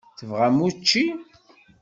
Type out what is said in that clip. Tebɣam učči?